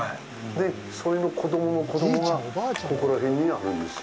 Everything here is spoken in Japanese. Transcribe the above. で、それで子供の子供がここら辺にあるんですよ。